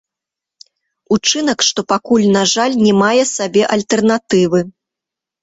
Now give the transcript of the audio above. Учынак, што пакуль, на жаль, не мае сабе альтэрнатывы.